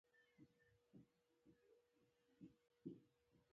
هوايي کرښې او ډګرونو ډیروالی پیدا کړ او اړیکې زیاتې شوې.